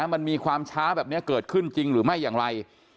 มันมีความช้าแบบนี้เกิดขึ้นจริงหรือไม่อย่างไร